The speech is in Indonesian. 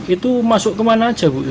itu masuk ke mana aja